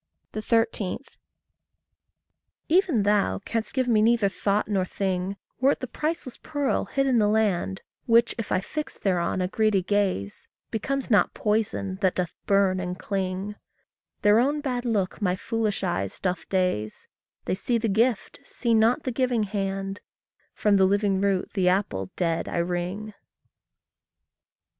13. Even thou canst give me neither thought nor thing, Were it the priceless pearl hid in the land, Which, if I fix thereon a greedy gaze, Becomes not poison that doth burn and cling; Their own bad look my foolish eyes doth daze, They see the gift, see not the giving hand From the living root the apple dead I wring.